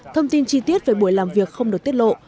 thông tin chi tiết về buổi làm việc không được tiết lộ